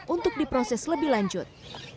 untuk diproses lebih lanjut